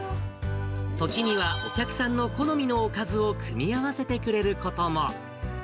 時にはお客さんの好みのおかずを組み合わせてくれることも。